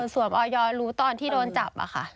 ส่วนออยรู้ตอนที่โดนจับค่ะ